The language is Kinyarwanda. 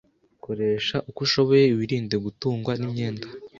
koresha uko ushoboye wirinde gutungwa n’imyenda